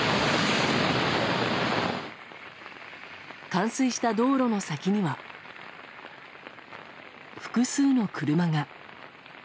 冠水した道路の先には複数の車が。